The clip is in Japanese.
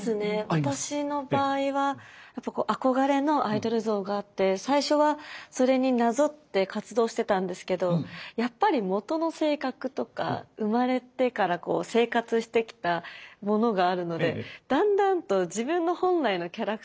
私の場合は憧れのアイドル像があって最初はそれになぞって活動してたんですけどやっぱり元の性格とか生まれてから生活してきたものがあるのでだんだんと自分の本来のキャラクターがそれを越えていっちゃうというか。